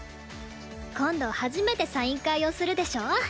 今度初めてサイン会をするでしょ？